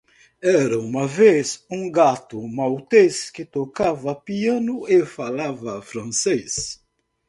Era uma vez, um gato maltês que tocava piano e falava francês.